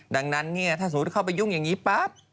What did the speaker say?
ดังนั้นเนี่ยถ้าสมมุติเข้าไปยุ่งอย่างนี้ปั๊บ